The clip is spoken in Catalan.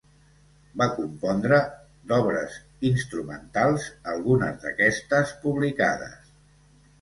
Va compondre d'obres instrumentals, algunes d'aquestes publicades.